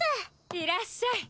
いらっしゃい。